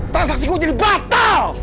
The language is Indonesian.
transaksi gua jadi batal